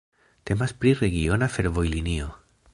Temas pri regiona fervojlinio.